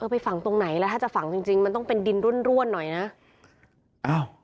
ไปฝังตรงไหนแล้วถ้าจะฝังจริงมันต้องเป็นดินร่วนหน่อยนะ